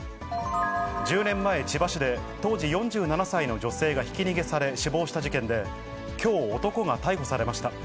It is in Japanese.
１０年前、千葉市で当時４７歳の女性がひき逃げされ、死亡した事件で、きょう、男が逮捕されました。